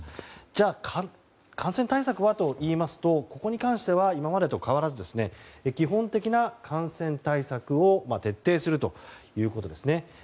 じゃあ感染対策はといいますとここに関しては今までと変わらず基本的な感染対策を徹底するということですね。